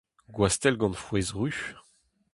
Gwastell gant frouezh ruz.